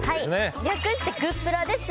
略してグップラです！